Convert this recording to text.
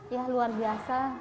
ya luar biasa